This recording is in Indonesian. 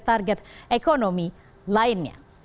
target ekonomi lainnya